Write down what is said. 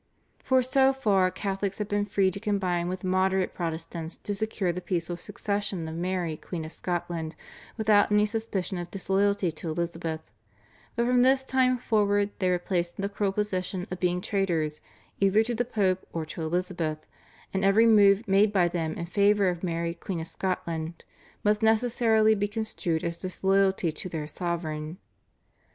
For so far Catholics had been free to combine with moderate Protestants to secure the peaceful succession of Mary Queen of Scotland without any suspicion of disloyalty to Elizabeth, but from this time forward they were placed in the cruel position of being traitors either to the Pope or to Elizabeth, and every move made by them in favour of Mary Queen of Scotland must necessarily be construed as disloyalty to their sovereign.